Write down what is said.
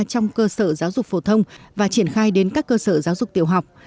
trong cơ sở giáo dục phổ thông và triển khai đến các cơ sở giáo dục tiểu học